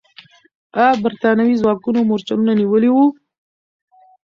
آیا برتانوي ځواکونو مرچلونه نیولي وو؟